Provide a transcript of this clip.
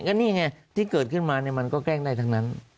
ก็นี่ไงที่เกิดขึ้นมามันก็แกล้งได้ทั้งนั้น